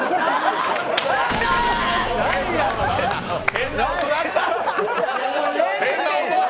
変な音鳴った！